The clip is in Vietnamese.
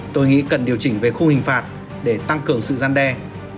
tôi nghĩ cần điều chỉnh về khung hình phạt để tăng cường sự gian đe